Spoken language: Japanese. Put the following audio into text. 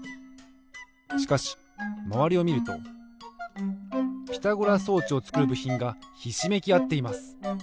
しかしまわりをみるとピタゴラ装置をつくるぶひんがひしめきあっています。